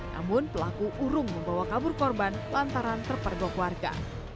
namun pelaku urung membawa kabur korban lantaran terpergok warga